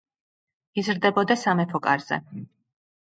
იზრდებოდა სამეფო კარზე.